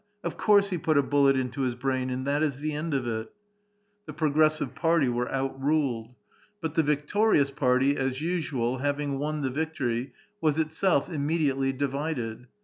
Of course he put a bullet into his brain, and that is the end of it !" The progressive A VITAL QUESTION. 8 party were outruled. But the victorious party, as usual, having won the victorj*, was itself immediately divided.